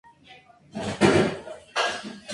Su casa en la playa de Ibiza se expropió.